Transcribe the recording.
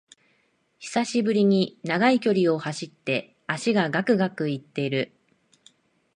久しぶりに長い距離を走って脚がガクガクいってる